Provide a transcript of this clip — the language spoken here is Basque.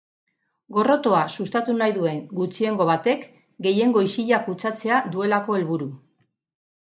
Gorrotoa sustatu nahi duen gutxiengo batek, gehiengo isila kutsatzea duelako helburu.